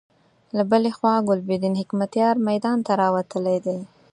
له بلې خوا ګلبدين حکمتیار میدان ته راوتلی دی.